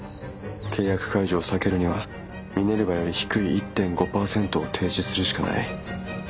契約解除を避けるにはミネルヴァより低い１．５％を提示するしかない。